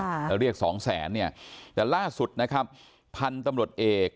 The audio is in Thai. แล้วเรียกสองแสนเนี่ยแต่ล่าสุดนะครับพันธุ์ตำรวจเอก